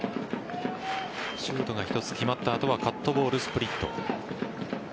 シュートが一つ決まった後はカットボール、スプリット。